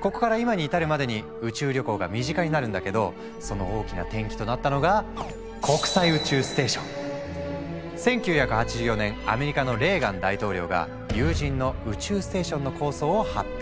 ここから今に至るまでに宇宙旅行が身近になるんだけどその大きな転機となったのが１９８４年アメリカのレーガン大統領が有人の宇宙ステーションの構想を発表。